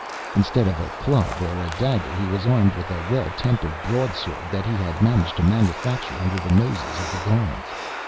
Instead of a club or a dagger he was armed with a well tempered broadsword that he had managed to manufacture under the noses of the guards.